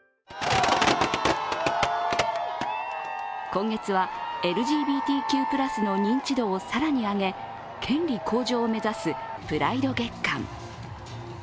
今月はＬＧＢＴＱ＋の認知度を更に上げ権利向上を目指すプライド月間。